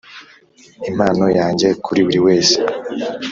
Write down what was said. impano yanjye kuri buriwese.